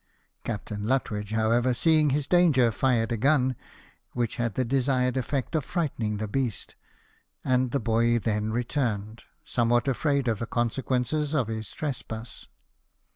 Captain Lutwidge, however, seeing his danger, fired a gun, which had the desired effect of frightening the beast ; and the boy then returned, somewhat afraid of the consequences of his trespass.